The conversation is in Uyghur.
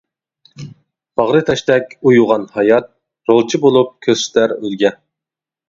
باغرى تاشتەك ئۇيۇغان ھايات، رولچى بولۇپ كۆرسىتەر ئۈلگە.